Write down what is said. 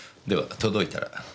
では届いたら。